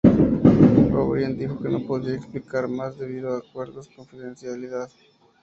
O'Brien dijo que no podía explicar más debido a acuerdos de confidencialidad.